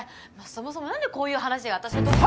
そもそも何でこういう話が私のとこ。